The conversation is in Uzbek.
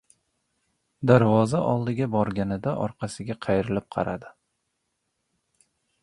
Darvoza oldiga borganida orqasiga qayrilib qaradi.